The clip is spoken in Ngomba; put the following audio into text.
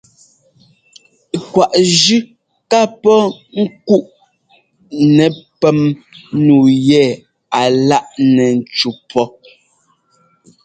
Kwaꞌ jʉ́ ká pɔ́ ŋ́kuꞌ nɛpɛ́m nu yɛ a láꞌ nɛ ńcú pɔ́.